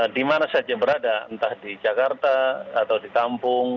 di mana saja berada entah di jakarta atau di kampung